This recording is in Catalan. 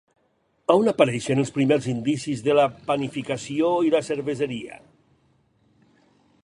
On apareixen els primers indicis de la panificació i la cerveseria?